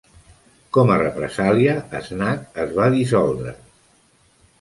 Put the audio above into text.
Com a represàlia, Znak es va dissoldre.